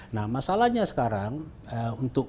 nah masalahnya sekarang untuk